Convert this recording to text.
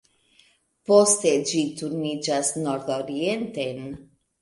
Poste ĝi turniĝas nordorienten.